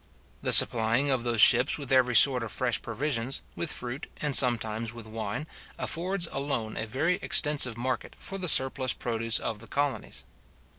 The supplying of those ships with every sort of fresh provisions, with fruit, and sometimes with wine, affords alone a very extensive market for the surplus produce of the colonies.